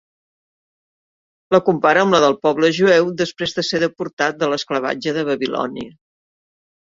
La compara amb la del poble jueu després de ser deportat de l'esclavatge de Babilònia.